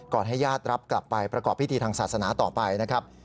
ให้ญาติรับกลับไปประกอบพิธีทางศาสนาต่อไปนะครับ